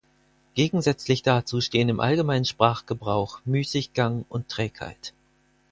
Gegensätzlich dazu stehen im allgemeinen Sprachgebrauch Müßiggang und Trägheit.